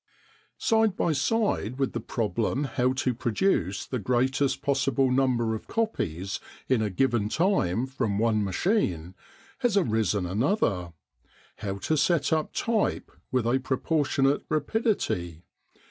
Side by side with the problem how to produce the greatest possible number of copies in a given time from one machine, has arisen another: how to set up type with a proportionate rapidity.